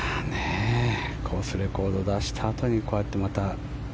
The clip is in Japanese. コースレコード出したあとにこうやってまた。